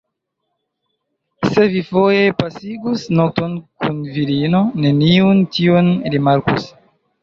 Se vi foje pasigus nokton kun virino, neniu tion rimarkus.